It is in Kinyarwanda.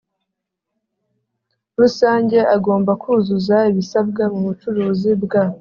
rusange agomba kuzuza ibisabwa mu bucuruzi bwa